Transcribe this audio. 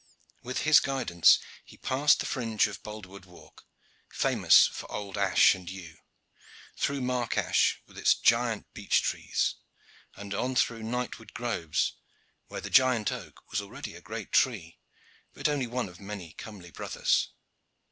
With his guidance he passed the fringe of Bolderwood Walk, famous for old ash and yew, through Mark Ash with its giant beech trees, and on through the Knightwood groves, where the giant oak was already a great tree, but only one of many comely brothers.